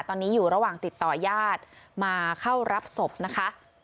ตอนนี้อยู่ระหว่างติดต่อยาดมาเข้ารับศพนะคะ